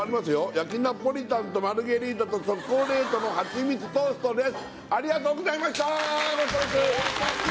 焼きナポリタンとマルゲリータとチョコレートのはちみつトーストですさあ